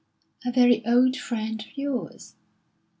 "A very old friend of yours?"